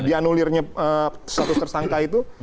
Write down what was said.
dianulir satu tersangka itu